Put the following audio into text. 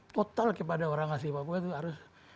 total kepada orang asli papua itu harus